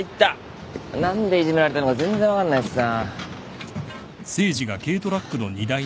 何でいじめられたのか全然分かんないしさ。